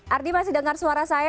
ardi masih dengar suara saya